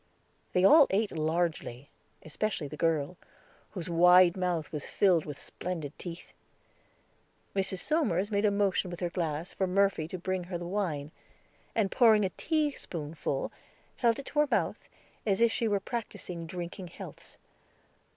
They all ate largely, especially the girl, whose wide mouth was filled with splendid teeth. Mrs. Somers made a motion with her glass for Murphy to bring her the wine, and pouring a teaspoonful, held it to her mouth, as if she were practicing drinking healths.